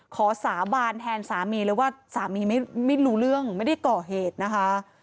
สาบานแทนสามีเลยว่าสามีไม่รู้เรื่องไม่ได้ก่อเหตุนะคะ